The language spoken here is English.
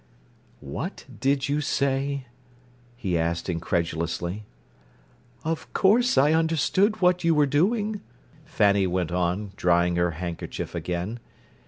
"What did you say?" he asked incredulously. "Of course I understood what you were doing," Fanny went on, drying her handkerchief again.